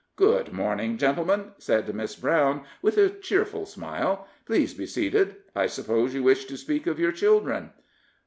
"Good morning, gentlemen," said Miss Brown, with a cheerful smile, "please be seated. I suppose you wish to speak of your children?"